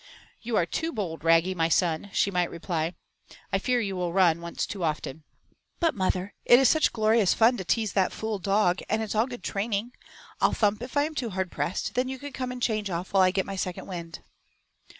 "You are too bold, Raggy, my son!" she might reply. "I fear you will run once too often." "But, mother, it is such glorious fun to tease that fool dog, and it's all good training. I'll thump if I am too hard pressed, then you can come and change off while I get my second wind."